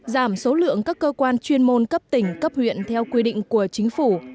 giảm số lượng các cơ quan chuyên môn cấp tỉnh cấp huyện theo quy định của chính phủ